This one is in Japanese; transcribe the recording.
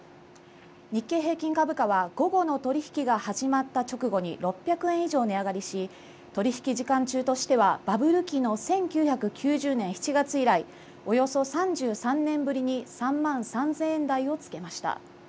日経平均株価は午後の取り引きが始まった直後に６００円以上値上がりし取り引き時間中としてはバブル期の１９９０年７月以来、およそ３３年ぶりに３万３０００円台をつけました。